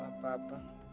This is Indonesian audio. o intake se tenan